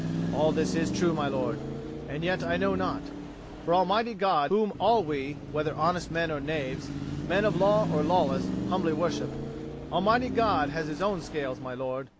All this is true, my lord. And yet I know not. For Almighty God, whom all we, whether honest men or knaves, men of law or lawless, humbly worship Almighty God has His own scales, my lord.